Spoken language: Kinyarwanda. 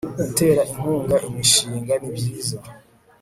gutera inkunga imishinga nibyiza